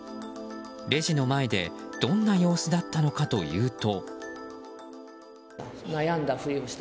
レジの前でどんな様子だったのかというと。